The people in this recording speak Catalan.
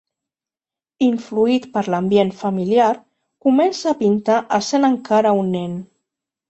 Influït per l'ambient familiar, comença a pintar essent encara un nen.